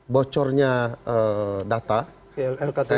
bocornya data lktp